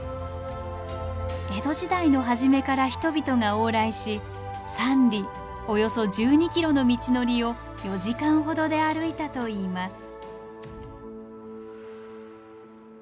江戸時代の初めから人々が往来し３里およそ１２ｋｍの道のりを４時間ほどで歩いたといいます。